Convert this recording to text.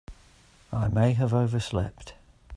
I may have overslept.